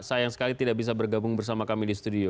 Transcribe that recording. sayang sekali tidak bisa bergabung bersama kami di studio